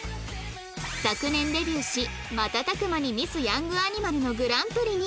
昨年デビューし瞬く間にミスヤングアニマルのグランプリに